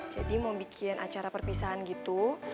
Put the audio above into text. jadi mau bikin acara perpisahan gitu